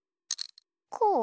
こう？